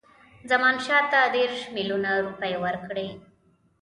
زمانشاه ته دېرش میلیونه روپۍ ورکړي.